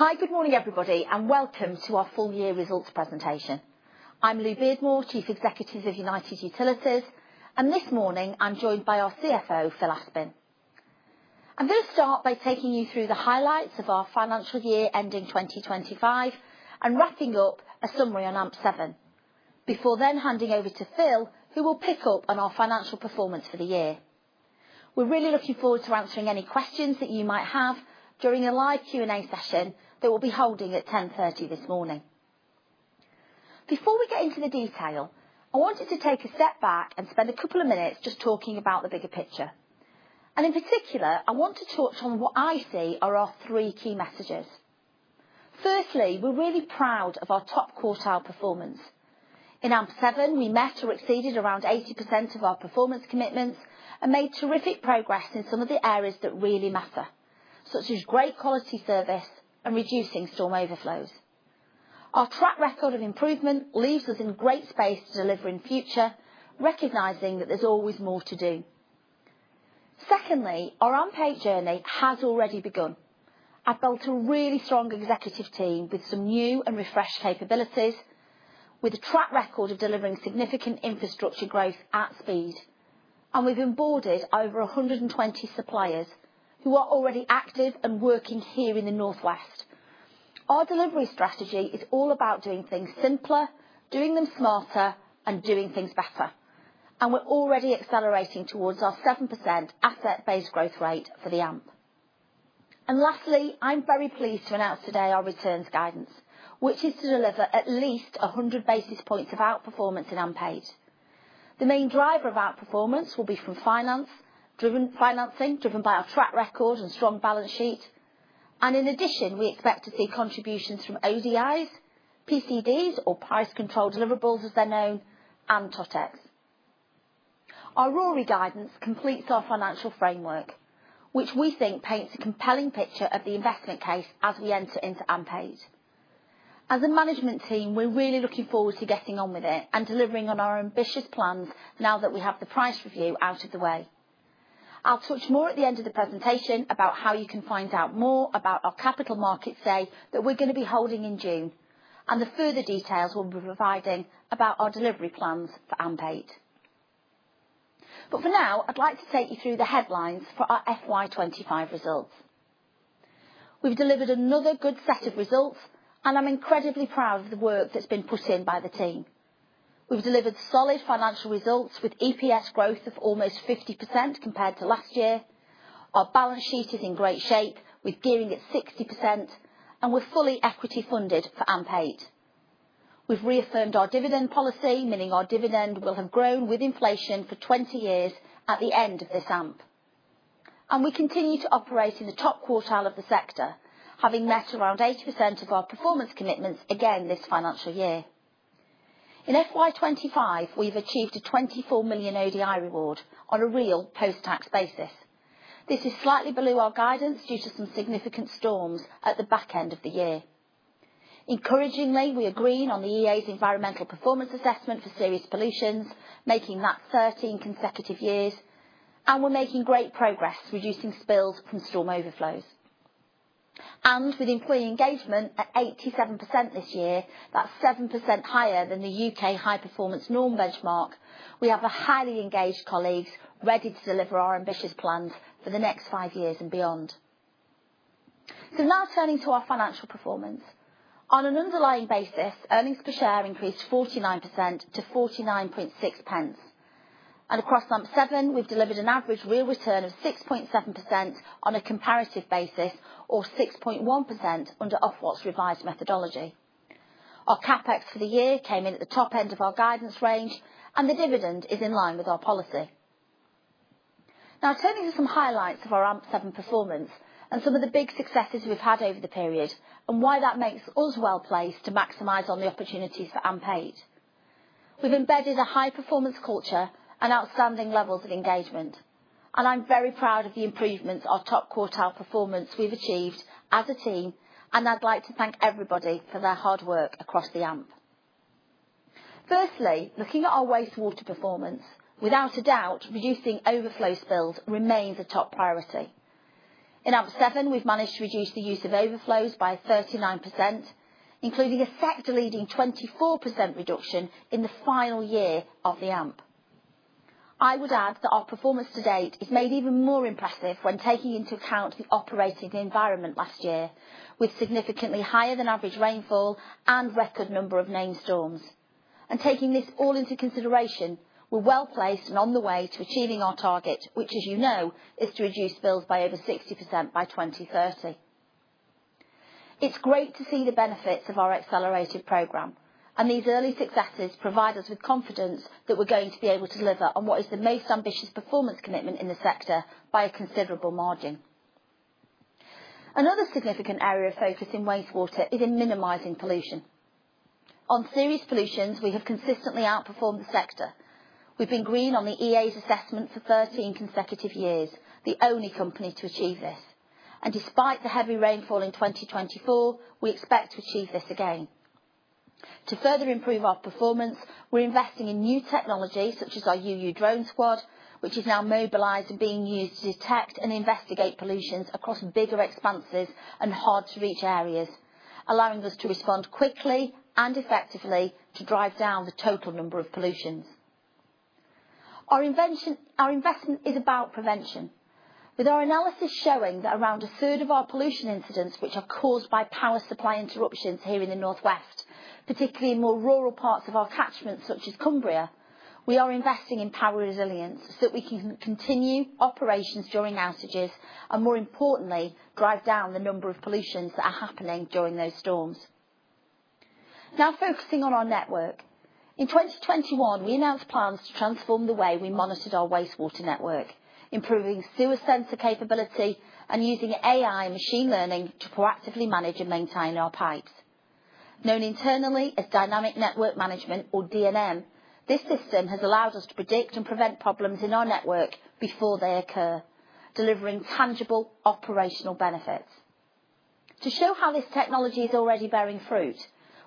Hi, good morning everybody, and welcome to our full-year results presentation. I'm Louise Beardmore, Chief Executive of United Utilities, and this morning I'm joined by our CFO, Phil Aspin. I'm going to start by taking you through the highlights of our financial year ending 2025 and wrapping up a summary on AMP7. Before then, handing over to Phil, who will pick up on our financial performance for the year. We're really looking forward to answering any questions that you might have during a Live Q&A session that we'll be holding at 10:30 A.M. this morning. Before we get into the detail, I wanted to take a step back and spend a couple of minutes just talking about the bigger picture. In particular, I want to touch on what I see are our three key messages. Firstly, we're really proud of our top quartile performance. In AMP7, we met or exceeded around 80% of our performance commitments and made terrific progress in some of the areas that really matter, such as great quality service and reducing storm overflows. Our track record of improvement leaves us in great space to deliver in the future, recognizing that there's always more to do. Secondly, our AMP8 journey has already begun. I've built a really strong executive team with some new and refreshed capabilities, with a track record of delivering significant infrastructure growth at speed. We've onboarded over 120 suppliers who are already active and working here in the North West. Our delivery strategy is all about doing things simpler, doing them smarter, and doing things better. We're already accelerating towards our 7% asset-based growth rate for the AMP. Lastly, I'm very pleased to announce today our returns guidance, which is to deliver at least 100 basis points of outperformance in AMP8. The main driver of outperformance will be from financing driven by our track record and strong balance sheet. In addition, we expect to see contributions from ODIs, PCDs, or price control deliverables, as they're known, and ToTEX. Our RORe guidance completes our financial framework, which we think paints a compelling picture of the investment case as we enter into AMP8. As a management team, we're really looking forward to getting on with it and delivering on our ambitious plans now that we have the price review out of the way. I'll touch more at the end of the presentation about how you can find out more about our Capital Markets Day that we're going to be holding in June, and the further details we'll be providing about our delivery plans for AMP8. For now, I'd like to take you through the headlines for our FY25 results. We've delivered another good set of results, and I'm incredibly proud of the work that's been put in by the team. We've delivered solid financial results with EPS growth of almost 50% compared to last year. Our balance sheet is in great shape, with gearing at 60%, and we're fully equity-funded for AMP8. We've reaffirmed our dividend policy, meaning our dividend will have grown with inflation for 20 years at the end of this AMP. We continue to operate in the top quartile of the sector, having met around 80% of our performance commitments again this financial year. In FY2025, we have achieved a 24 million ODI reward on a real post-tax basis. This is slightly below our guidance due to some significant storms at the back end of the year. Encouragingly, we are green on the EA's environmental performance assessment for serious pollution, making that 13 consecutive years, and we are making great progress reducing spills from storm overflows. With employee engagement at 87% this year, that is 7% higher than the U.K. high-performance norm benchmark, we have highly engaged colleagues ready to deliver our ambitious plans for the next five years and beyond. Now turning to our financial performance. On an underlying basis, earnings per share increased 49% to 49.6 pence. Across AMP7, we've delivered an average real return of 6.7% on a comparative basis, or 6.1% under Ofwat's revised methodology. Our CapEx for the year came in at the top end of our guidance range, and the dividend is in line with our policy. Now turning to some highlights of our AMP7 performance and some of the big successes we've had over the period, and why that makes us well placed to maximize on the opportunities for AMP8. We've embedded a high-performance culture and outstanding levels of engagement, and I'm very proud of the improvements, our top-quartile performance we've achieved as a team, and I'd like to thank everybody for their hard work across the AMP. Firstly, looking at our wastewater performance, without a doubt, reducing overflow spills remains a top priority. In AMP7, we've managed to reduce the use of overflows by 39%, including a sector-leading 24% reduction in the final year of the AMP. I would add that our performance to date is made even more impressive when taking into account the operating environment last year, with significantly higher than average rainfall and a record number of named storms. Taking this all into consideration, we're well placed and on the way to achieving our target, which, as you know, is to reduce spills by over 60% by 2030. It's great to see the benefits of our accelerated program, and these early successes provide us with confidence that we're going to be able to deliver on what is the most ambitious performance commitment in the sector by a considerable margin. Another significant area of focus in wastewater is in minimizing pollution. On serious pollutions, we have consistently outperformed the sector. We've been green on the EA's assessment for 13 consecutive years, the only company to achieve this. Despite the heavy rainfall in 2024, we expect to achieve this again. To further improve our performance, we're investing in new technology such as our UU Drone Squad, which is now mobilized and being used to detect and investigate pollutions across bigger expanses and hard-to-reach areas, allowing us to respond quickly and effectively to drive down the total number of pollutions. Our investment is about prevention. With our analysis showing that around a third of our pollution incidents, which are caused by power-supply interruptions here in the North West, particularly in more rural parts of our catchment such as Cumbria, we are investing in power-resilience so that we can continue operations during outages and, more importantly, drive down the number of pollutions that are happening during those storms. Now focusing on our network. In 2021, we announced plans to transform the way we monitored our wastewater network, improving sewer-sensor capability and using AI and machine learning to proactively manage and maintain our pipes. Known internally as Dynamic Network Management, or DNM, this system has allowed us to predict and prevent problems in our network before they occur, delivering tangible operational benefits. To show how this technology is already bearing fruit,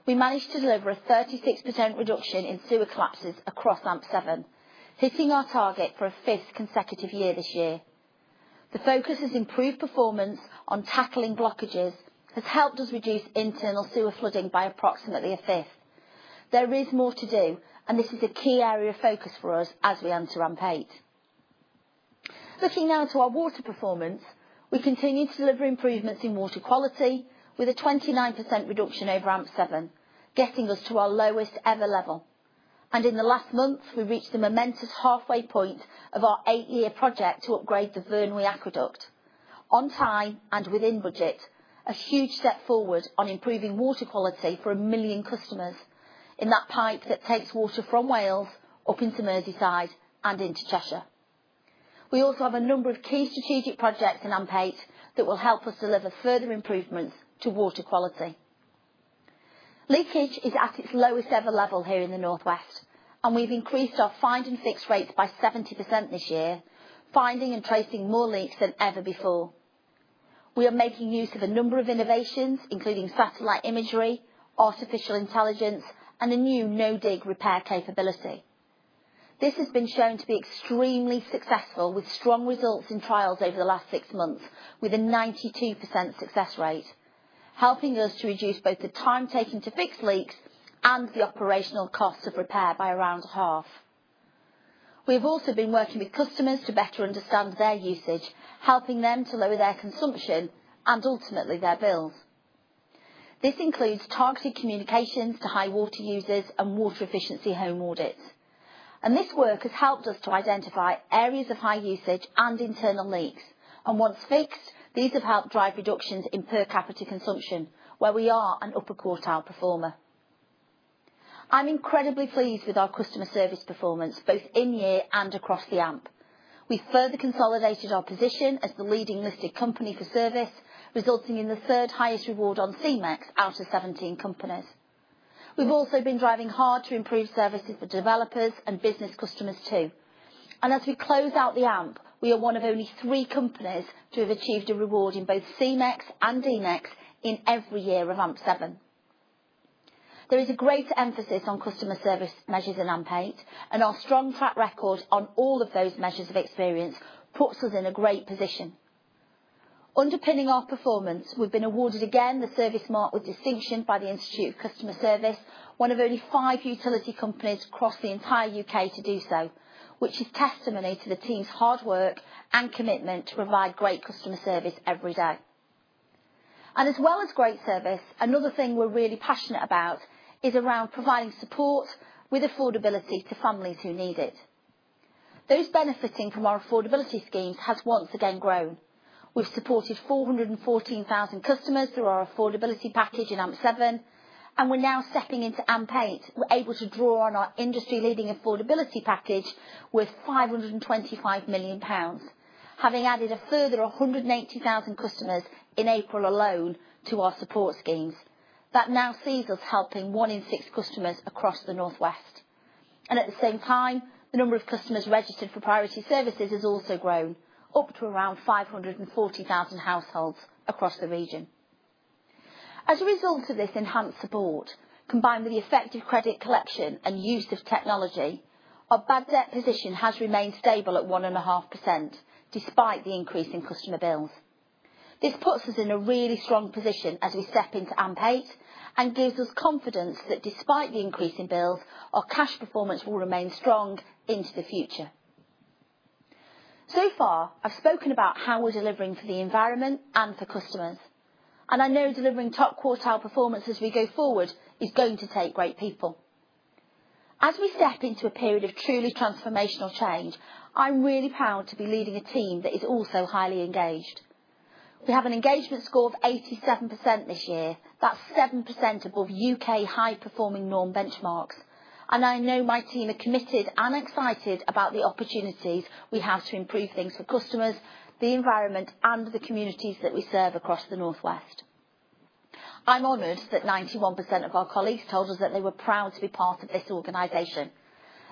we managed to deliver a 36% reduction in sewer collapses across AMP7, hitting our target for a fifth consecutive year this year. The focus has improved performance on tackling blockages, has helped us reduce internal-sewer flooding by approximately a fifth. There is more to do, and this is a key area of focus for us as we enter AMP8. Looking now to our water performance, we continue to deliver improvements in water quality with a 29% reduction over AMP7, getting us to our lowest ever level. In the last month, we reached the momentous halfway point of our eight-year project to upgrade the Vyrnwy Aqueduct. On time and within budget, a huge step forward on improving water quality for a million customers in that pipe that takes water from Wales up into Merseyside and into Cheshire. We also have a number of key strategic projects in AMP8 that will help us deliver further improvements to water quality. Leakage is at its lowest ever level here in the North West, and we've increased our find-and-fix rates by 70% this year, finding and tracing more leaks than ever before. We are making use of a number of innovations, including satellite imagery, artificial intelligence, and a new no-dig repair capability. This has been shown to be extremely successful, with strong results in trials over the last six months, with a 92% success rate, helping us to reduce both the time taken to fix leaks and the operational costs of repair by around half. We have also been working with customers to better understand their usage, helping them to lower their consumption and ultimately their bills. This includes targeted communications to high water users and water efficiency home audits. This work has helped us to identify areas of high usage and internal leaks. Once fixed, these have helped drive reductions in per capita consumption, where we are an upper-quartile performer. I'm incredibly pleased with our customer service performance, both in year and across the AMP. have further consolidated our position as the leading listed company for service, resulting in the third highest reward on CMEX out of 17 companies. We have also been driving hard to improve services for developers and business customers too. As we close out the AMP, we are one of only three companies to have achieved a reward in both CMEX and DMEX in every year of AMP7. There is a greater emphasis on customer service measures in AMP8, and our strong track record on all of those measures of experience puts us in a great position. Underpinning our performance, we have been awarded again the Service Mark with Distinction by the Institute of Customer Service, one of only five utility companies across the entire U.K. to do so, which is testimony to the team's hard work and commitment to provide great customer service every day. As well as great service, another thing we're really passionate about is around providing support with affordability to families who need it. Those benefiting from our affordability schemes have once again grown. We've supported 414,000 customers through our affordability package in AMP7, and we're now stepping into AMP8. We're able to draw on our industry-leading affordability package worth 525 million pounds, having added a further 180,000 customers in April alone to our support schemes. That now sees us helping one in six customers across the North West. At the same time, the number of customers registered for priority services has also grown up to around 540,000 households across the region. As a result of this enhanced support, combined with the effective credit collection and use of technology, our bad debt position has remained stable at 1.5% despite the increase in customer bills. This puts us in a really strong position as we step into AMP8 and gives us confidence that despite the increase in bills, our cash performance will remain strong into the future. So far, I've spoken about how we're delivering for the environment and for customers, and I know delivering top-quartile performance as we go forward is going to take great people. As we step into a period of truly transformational change, I'm really proud to be leading a team that is also highly engaged. We have an engagement score of 87% this year, that's 7% above U.K. high-performing norm benchmarks, and I know my team are committed and excited about the opportunities we have to improve things for customers, the environment, and the communities that we serve across the North West. I'm honoured that 91% of our colleagues told us that they were proud to be part of this organization,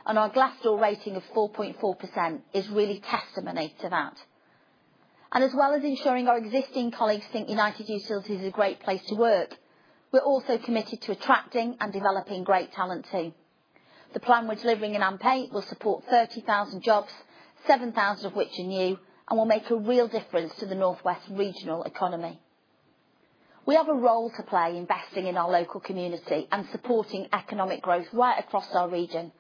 and our Glassdoor rating of 4.4% is really testimony to that. As well as ensuring our existing colleagues think United Utilities is a great place to work, we're also committed to attracting and developing great talent too. The plan we're delivering in AMP8 will support 30,000 jobs, 7,000 of which are new, and will make a real difference to the North West regional economy. We have a role to play investing in our local community and supporting economic growth right across our region.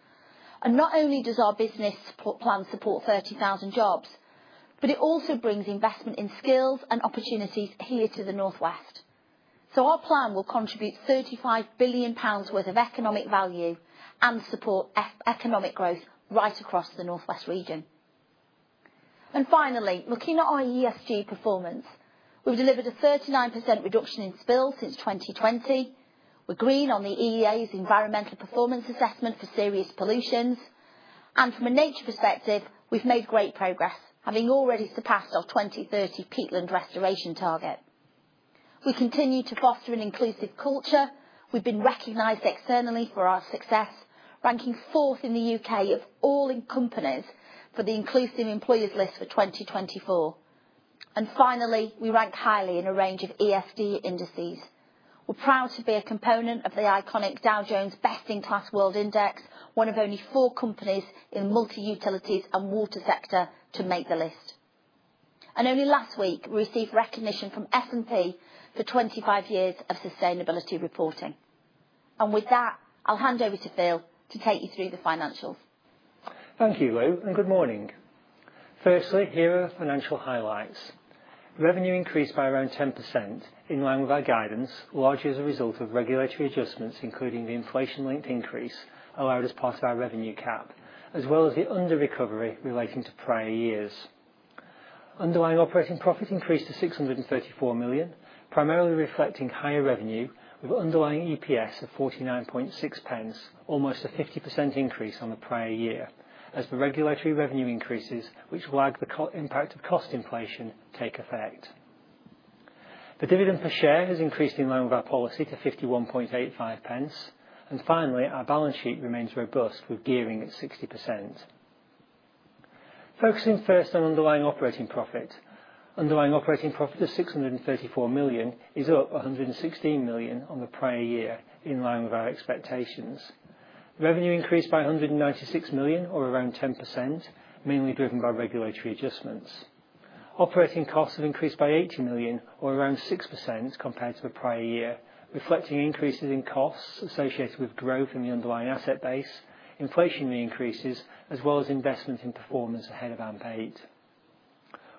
Not only does our business plan support 30,000 jobs, but it also brings investment in skills and opportunities here to the North West. Our plan will contribute 35 billion pounds worth of economic value and support economic growth right across the North West region. Finally, looking at our ESG performance, we've delivered a 39% reduction in spills since 2020. We're green on the EA's environmental performance assessment for serious pollutions. From a nature perspective, we've made great progress, having already surpassed our 2030 Peatland restoration target. We continue to foster an inclusive culture. We've been recognized externally for our success, ranking fourth in the U.K. of all companies for the Inclusive Employers List for 2024. We rank highly in a range of ESG indices. We're proud to be a component of the iconic Dow Jones Best-in-Class World Index, one of only four companies in the multi-utilities and water sector to make the list. Only last week, we received recognition from S&P for 25 years of sustainability reporting. With that, I'll hand over to Phil to take you through the financials. Thank you, Lou, and good morning. Firstly, here are financial highlights. Revenue increased by around 10% in line with our guidance, largely as a result of regulatory adjustments, including the inflation-linked increase allowed as part of our revenue cap, as well as the under-recovery relating to prior years. Underlying operating profit increased to 634 million, primarily reflecting higher revenue, with underlying EPS of 49.6 pence, almost a 50% increase on the prior year, as the regulatory revenue increases, which flag the impact of cost inflation, take effect. The dividend per share has increased in line with our policy to 51.85. Finally, our balance sheet remains robust, with gearing at 60%. Focusing first on underlying operating profit. Underlying operating profit of 634 million is up 116 million on the prior year, in line with our expectations. Revenue increased by 196 million, or around 10%, mainly driven by regulatory adjustments. Operating costs have increased by 80 million, or around 6% compared to the prior year, reflecting increases in costs associated with growth in the underlying asset base, inflationary increases, as well as investment in performance ahead of AMP8.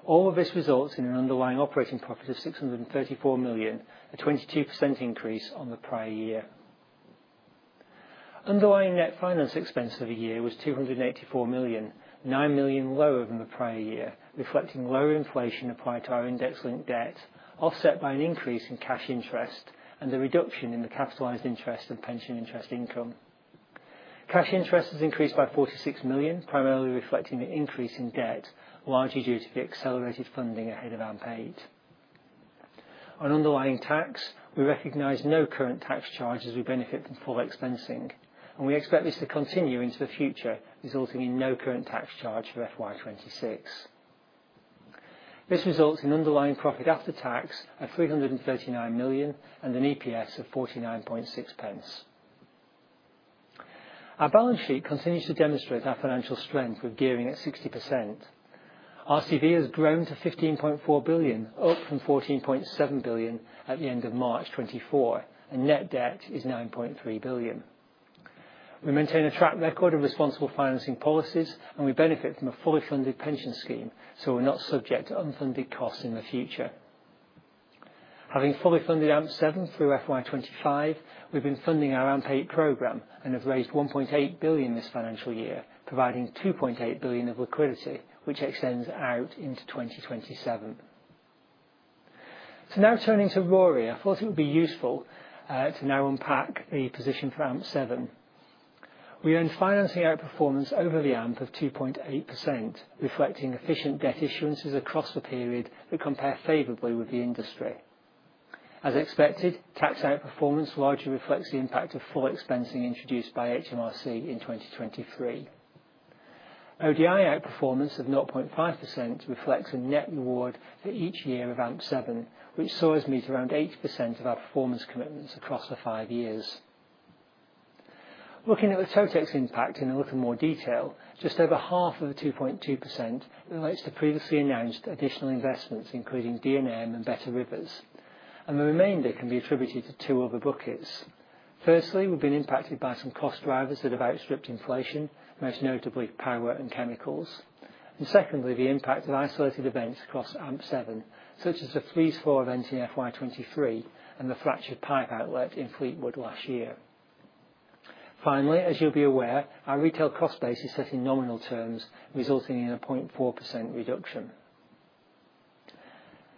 All of this results in an underlying operating profit of 634 million, a 22% increase on the prior year. Underlying net finance expense for the year was 284 million, 9 million lower than the prior year, reflecting lower inflation applied to our index-linked debt, offset by an increase in cash interest and the reduction in the capitalized interest and pension interest income. Cash interest has increased by 46 million, primarily reflecting the increase in debt, largely due to the accelerated funding ahead of AMP8. On underlying tax, we recognise no current tax charges as we benefit from full expensing, and we expect this to continue into the future, resulting in no current tax charge for FY2026. This results in underlying profit after tax of 339 million and an EPS of 49.6. Our balance sheet continues to demonstrate our financial strength, with gearing at 60%. RCV has grown to 15.4 billion, up from 14.7 billion at the end of March 2024, and net debt is 9.3 billion. We maintain a track record of responsible financing policies, and we benefit from a fully funded pension scheme, so we're not subject to unfunded costs in the future. Having fully-funded AMP7 through FY 2025, we've been funding our AMP8 programme and have raised 1.8 billion this financial year, providing 2.8 billion of liquidity, which extends out into 2027. Now turning to RORe, I thought it would be useful to now unpack the position for AMP7. We earned financing outperformance over the AMP of 2.8%, reflecting efficient debt issuances across the period that compare favorably with the industry. As expected, tax outperformance largely reflects the impact of full expensing introduced by HMRC in 2023. ODI outperformance of 0.5% reflects a net reward for each year of AMP7, which saw us meet around 80% of our performance commitments across the five years. Looking at the ToTEX impact in a little more detail, just over half of the 2.2% relates to previously announced additional investments, including DNM and Better Rivers. The remainder can be attributed to two other buckets. Firstly, we have been impacted by some cost drivers that have outstripped inflation, most notably power and chemicals. Secondly, the impact of isolated events across AMP7, such as the freeze-thaw event in FY 2023 and the fractured pipe outlet in Fleetwood last year. Finally, as you'll be aware, our retail cost base is set in nominal terms, resulting in a 0.4% reduction.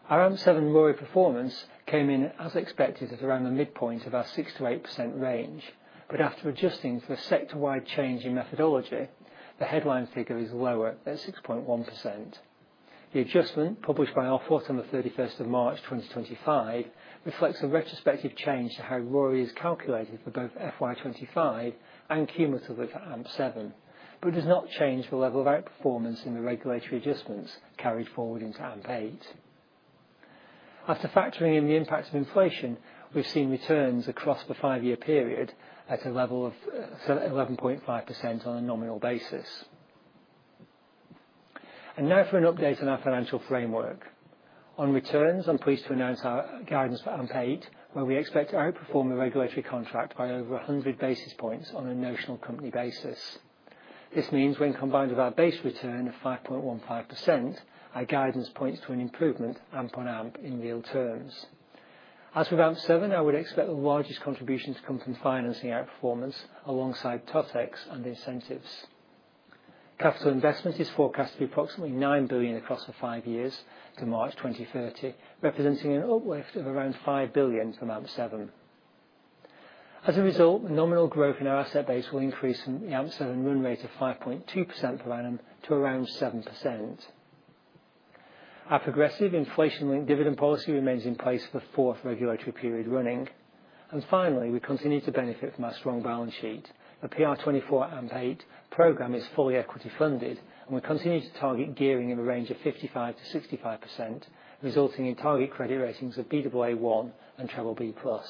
Our AMP7 RORe performance came in, as expected, at around the midpoint of our 6-8% range, but after adjusting for a sector-wide change in methodology, the headline figure is lower at 6.1%. The adjustment, published by Ofwat on the 31st of March 2025, reflects a retrospective change to how RORe is calculated for both FY 2025 and cumulatively for AMP7, but does not change the level of outperformance in the regulatory adjustments carried forward into AMP8. After factoring in the impact of inflation, we've seen returns across the five-year period at a level of 11.5% on a nominal basis. Now for an update on our financial framework. On returns, I'm pleased to announce our guidance for AMP8, where we expect to outperform the regulatory contract by over 100 basis points on a notional company basis. This means when combined with our base return of 5.15%, our guidance points to an improvement AMP-on-AMP in real terms. As with AMP7, I would expect the largest contribution to come from financing outperformance alongside ToTEX and incentives. Capital investment is forecast to be approximately 9 billion across the five years to March 2030, representing an uplift of around 5 billion from AMP7. As a result, the nominal growth in our asset base will increase from the AMP7 run rate of 5.2% per annum to around 7%. Our progressive inflation-linked dividend policy remains in place for the fourth regulatory period running. Finally, we continue to benefit from our strong balance sheet. The PR24 AMP8 program is fully equity funded, and we continue to target gearing in the range of 55-65%, resulting in target credit ratings of BAA1 and BB+.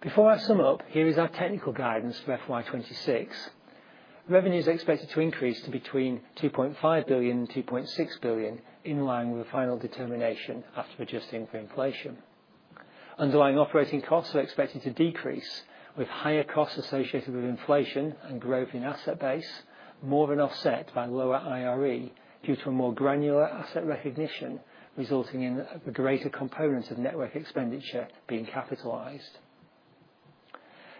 Before I sum up, here is our technical guidance for FY26. Revenue is expected to increase to between 2.5 billion and 2.6 billion, in line with the final determination after adjusting for inflation. Underlying operating costs are expected to decrease, with higher costs associated with inflation and growth in asset base more than offset by lower IRE due to a more granular asset recognition, resulting in a greater component of network expenditure being capitalized.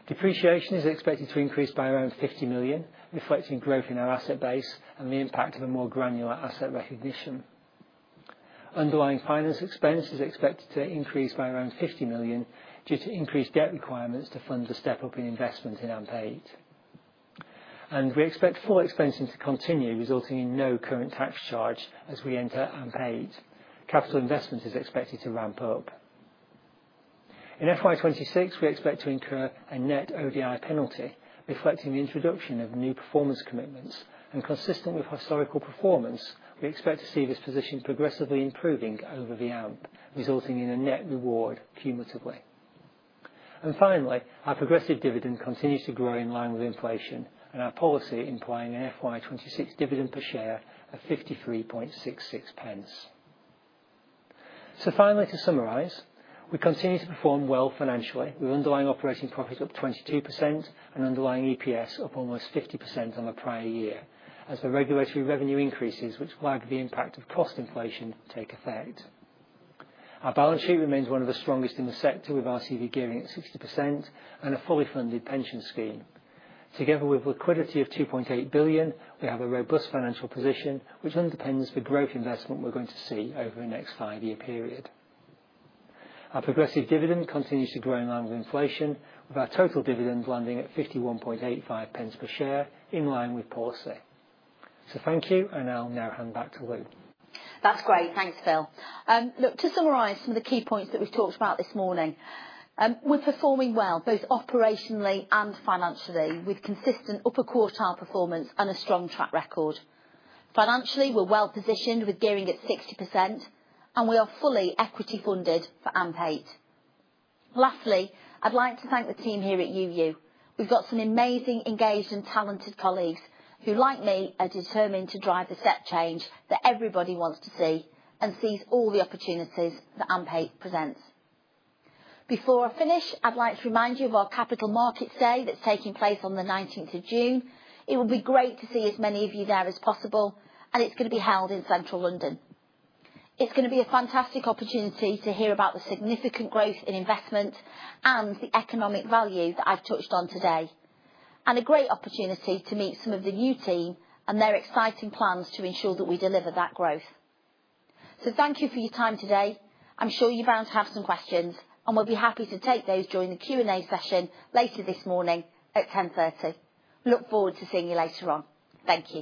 Depreciation is expected to increase by around 50 million, reflecting growth in our asset base and the impact of a more granular asset recognition. Underlying finance expense is expected to increase by around 50 million due to increased debt requirements to fund the step-up in investment in AMP8. We expect full expensing to continue, resulting in no current tax charge as we enter AMP8. Capital investment is expected to ramp up. In FY26, we expect to incur a net ODI penalty, reflecting the introduction of new performance commitments, and consistent with historical performance, we expect to see this position progressively improving over the AMP, resulting in a net reward cumulatively. Finally, our progressive dividend continues to grow in line with inflation, and our policy implies an FY26 dividend per share of 53.66. Finally, to summarize, we continue to perform well financially, with underlying operating profit up 22% and underlying EPS up almost 50% on the prior year, as the regulatory revenue increases, which flag the impact of cost inflation, take effect. Our balance sheet remains one of the strongest in the sector, with RCV gearing at 60% and a fully-funded pension scheme. Together with liquidity of 2.8 billion, we have a robust financial position, which underpins the growth investment we're going to see over the next five-year period. Our progressive dividend continues to grow in line with inflation, with our total dividend landing at 51.85 per share, in line with policy. Thank you, and I'll now hand back to Lou. That's great. Thanks, Phil. Look, to summarize some of the key points that we've talked about this morning, we're performing well, both operationally and financially, with consistent upper-quartile performance and a strong track record. Financially, we're well positioned with gearing at 60%, and we are fully equity-funded for AMP8. Lastly, I'd like to thank the team here at UU. We've got some amazing, engaged, and talented colleagues who, like me, are determined to drive the step-change that everybody wants to see and sees all the opportunities that AMP8 presents. Before I finish, I'd like to remind you of our Capital Markets Day that's taking place on the 19th of June. It will be great to see as many of you there as possible, and it's going to be held in central London. It's going to be a fantastic opportunity to hear about the significant growth in investment and the economic value that I've touched on today, and a great opportunity to meet some of the new team and their exciting plans to ensure that we deliver that growth. Thank you for your time today. I'm sure you're bound to have some questions, and we'll be happy to take those during the Q&A session later this morning at 10:30. Look forward to seeing you later on. Thank you.